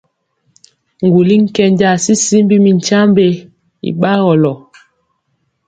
Ŋguli nkenja tyityimbi mi tyiambe y bagɔlo.